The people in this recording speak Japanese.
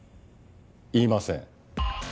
言いません。